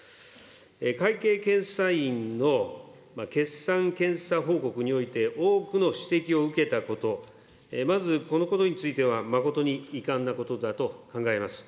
会計検査院の決算検査報告において、多くの指摘を受けたこと、まずこのことについては誠に遺憾なことだと考えます。